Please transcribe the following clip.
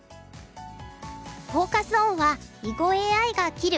フォーカス・オンは「囲碁ＡＩが斬る！